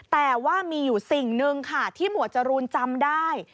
แต่ว่ามีอยู่สิ่งหนึ่งค่ะที่หมวดจรูนจำได้